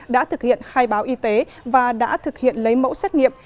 đã thực hiện khai báo y tế và đã thực hiện lấy mẫu xét nghiệm